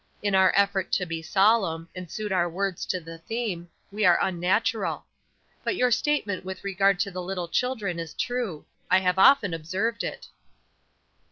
In our effort to be solemn, and suit our words to the theme, we are unnatural. But your statement with regard to the little children is true; I have often observed it."